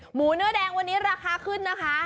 หมูเนื้อแดงวันนี้ราคาขึ้นนะคะ